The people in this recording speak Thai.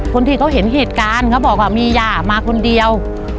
คนที่เขาเห็นเหตุการณ์เขาบอกว่ามีย่ามาคนเดียว